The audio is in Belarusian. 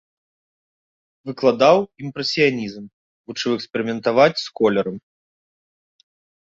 Выкладаў імпрэсіянізм, вучыў эксперыментаваць з колерам.